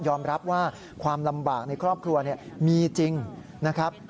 รับว่าความลำบากในครอบครัวมีจริงนะครับ